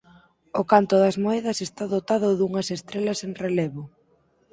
O canto das moedas está dotado dunhas estrelas en relevo.